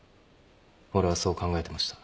俺はそう考えてました。